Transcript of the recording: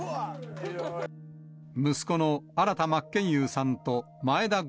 息子の新田真剣佑さんと眞栄田郷